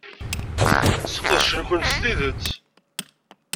Sqedcen-ken s tidet.